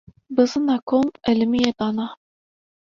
Bizina kol elimiye dana